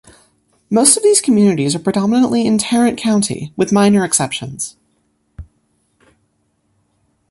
Most of these communities are predominantly in Tarrant County, with minor exceptions.